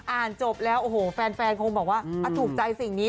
อ่านจบแล้วโอ้โหแฟนคงบอกว่าถูกใจสิ่งนี้